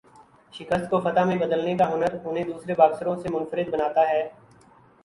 شکست کو فتح میں بدلنے کا ہنر انہیں دوسرے باکسروں سے منفرد بناتا ہے۔